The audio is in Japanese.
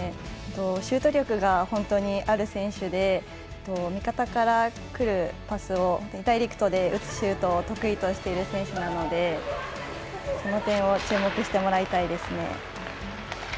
シュート力が本当にある選手で味方からくるパスをダイレクトで打つシュートを得意としている選手なのでその点を注目してもらいたいですね。